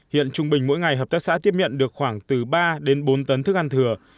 hiện trung bình mỗi ngày hợp tác xã tiếp nhận được khoảng từ ba đến bốn tấn thức ăn thừa